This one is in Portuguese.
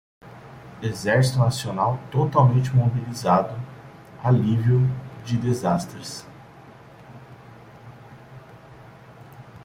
Exército nacional totalmente mobilizado alívio de desastres